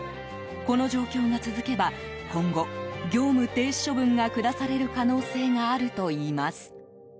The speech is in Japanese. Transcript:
この状況が続けば今後、業務停止処分が下される可能性があるといいます。